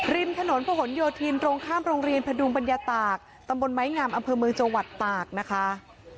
ริมถนนผนโยธินตรงข้ามโรงเรียนพดุงปัญญาตากตำบลไม้งามอำเภอเมืองจังหวัดตากนะคะ